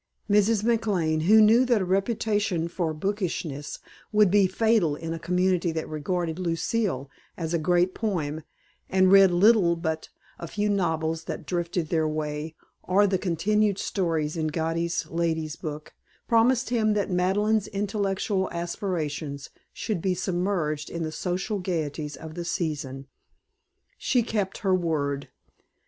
Mrs. McLane, who knew that a reputation for bookishness would be fatal in a community that regarded "Lucile" as a great poem and read little but the few novels that drifted their way (or the continued stories in Godey's Lady's Book), promised him that Madeleine's intellectual aspirations should be submerged in the social gaieties of the season. She kept her word.